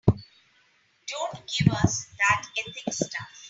Don't give us that ethics stuff.